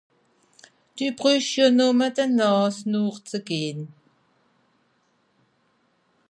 Dü brüsch jo nùmme de Nààs nooch ze gehn.